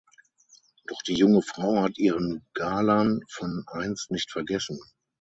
Doch die junge Frau hat ihren Galan von einst nicht vergessen.